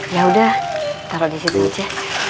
yaudah taro disitu aja